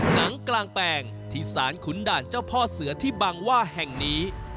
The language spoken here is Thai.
หนังกลางแปลงที่สารขุนด่านเจ้าพ่อเสือที่บางว่าแห่งนี้